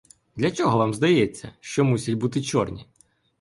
Для чого вам здається, що мусять бути чорні?